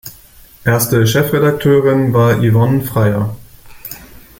Erste Chefredakteurin war Yvonne Freyer.